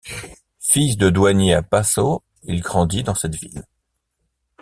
Fils de douanier à Passau, il grandit dans cette ville.